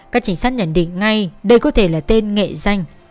các chính sách nhận định ngay đây có thể là tên nghệ danh